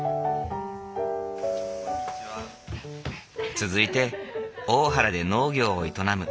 続いて大原で農業を営む